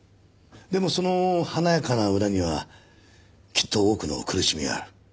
でもその華やかな裏にはきっと多くの苦しみがある。